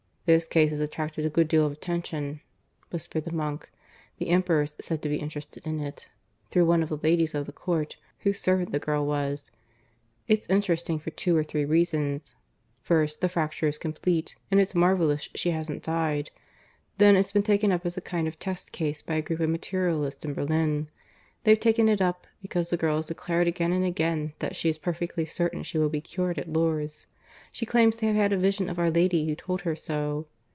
"This case has attracted a good deal of attention," whispered the monk. "The Emperor's said to be interested in it, through one of the ladies of the Court, whose servant the girl was. It's interesting for two or three reasons. First, the fracture is complete, and it's marvellous she hasn't died. Then it's been taken up as a kind of test case by a group of materialists in Berlin. They've taken it up, because the girl has declared again and again that she is perfectly certain she will be cured at Lourdes. She claims to have had a vision of Our Lady, who told her so.